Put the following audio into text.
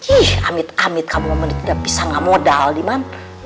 ih amit amit kamu menit gak bisa gak modal diman